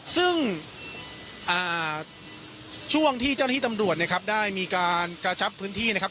ซึ่งช่วงที่เจ้าหน้าที่ตำรวจนะครับได้มีการกระชับพื้นที่นะครับ